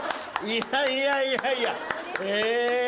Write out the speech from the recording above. いやいやいやいや。